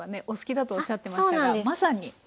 お好きだとおっしゃってましたがまさに。